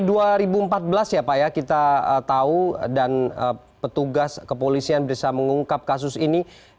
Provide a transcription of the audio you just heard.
di dua ribu empat belas ya pak ya kita tahu dan petugas kepolisian bisa mengungkap kasus ini